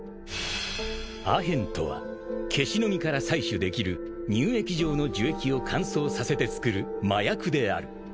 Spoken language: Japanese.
［アヘンとはケシの実から採取できる乳液状の樹液を乾燥させて作る麻薬である］